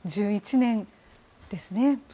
１１年ですね。